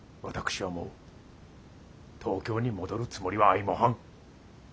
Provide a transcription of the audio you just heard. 私はもう東京に戻るつもりはありもはん。